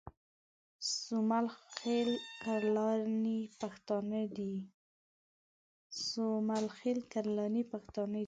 سومل خېل کرلاني پښتانه دي